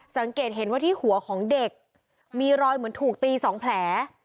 สังเกตเห็นว่าที่หัวของเด็กมีรอยเหมือนถูกตี๒แผล